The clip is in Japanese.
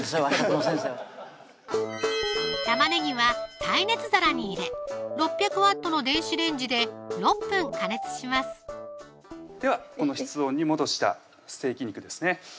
和食の先生は玉ねぎは耐熱皿に入れ６００Ｗの電子レンジで６分加熱しますではこの室温に戻したステーキ肉ですね